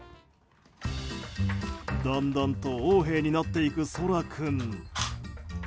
だんだんと横柄になっていくそら君。